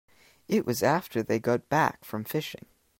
It was after they got back from fishing.